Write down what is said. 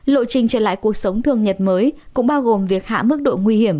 lộ trình trở lại cuộc sống thường nhật mới cũng bao gồm việc hạ mức độ nguy hiểm